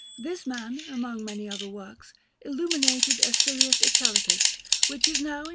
This man, among many other works, illuminated a Silius Italicus, which is now in S.